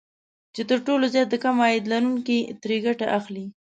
چې تر ټولو زيات د کم عاید لرونکي ترې ګټه اخلي